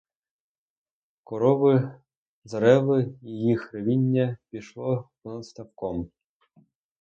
Корови заревли, і їх ревіння пішло понад ставком.